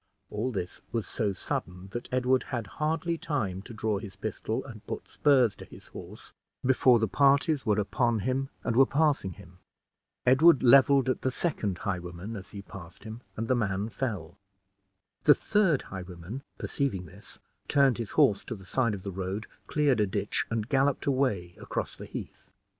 All this was so sudden, that Edward had hardly time to draw his pistol and put spurs to his horse, before the parties were upon him, and were passing him. Edward leveled at the second highwayman as he passed him, and the man fell. The third highwayman, perceiving this, turned his horse to the side of the road, cleared a ditch, and galloped away across the heath.